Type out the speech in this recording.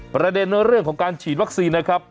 ประเด็นเรื่องของการฉีดวัคซีนนะครับ